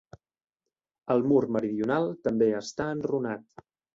El mur meridional també està enrunat.